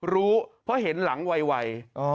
รู้เพราะเห็นหลังไว